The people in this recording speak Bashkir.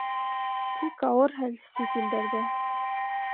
Тик ауыр хәл сит илдәрҙә